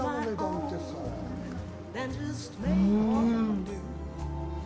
うん！